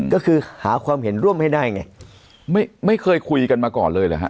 ก็คือหาความเห็นร่วมให้ได้ไงไม่ไม่เคยคุยกันมาก่อนเลยเหรอฮะ